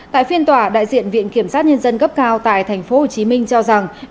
tại phiên tòa đại diện viện kiểm sát nhân dân cấp cao tại tp hcm cho rằng